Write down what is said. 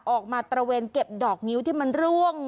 ออกมาเก็บดอกงิ้วที่มันร่วง